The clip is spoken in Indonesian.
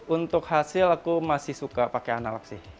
untuk hasil aku masih suka pakai analog sih